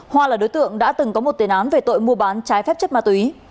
hoa là đối tượng đã từng có một tiền án về tội mua bán trái phép chất ma túy